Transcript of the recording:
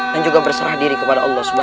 dan juga berserah diri kepada allah swt